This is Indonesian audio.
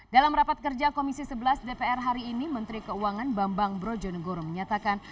dalam rapat kerja komisi sebelas dpr hari ini menteri keuangan bambang brojonegoro menyatakan